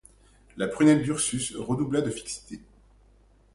La prunelle d’Ursus redoubla de fixité.